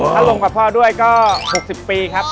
ถ้าลงกับพ่อด้วยก็๖๐ปีครับ